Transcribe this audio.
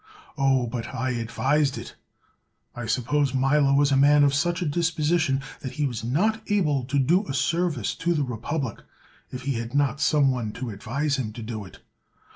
Oh, but I advised it! I suppose Milo was a man of such a dispo sition that he was not able to do a service to the republic if he had not some one to advise him ta do it.